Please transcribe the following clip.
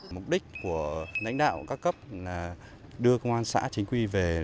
mục đích của lãnh đạo các cấp là đưa công an xã chính quy về